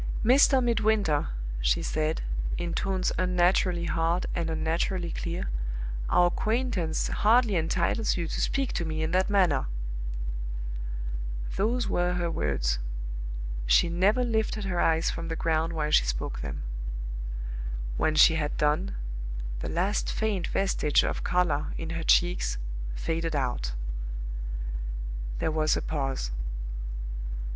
"Mr. Midwinter," she said, in tones unnaturally hard and unnaturally clear, "our acquaintance hardly entitles you to speak to me in that manner." Those were her words. She never lifted her eyes from the ground while she spoke them. When she had done, the last faint vestige of color in her cheeks faded out. There was a pause.